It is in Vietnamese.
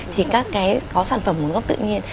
thì các cái có sản phẩm nguồn gốc tự nhiên